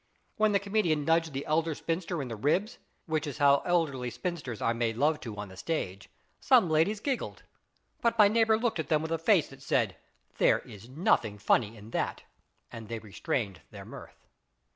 When the comedian nudged the elderly spinster in the ribs, which is how elderly spinsters are made love to on the stage, some ladies giggled, but my neighbour looked at them with a face that said, " There is nothing funny in that," and they restrained their mirth.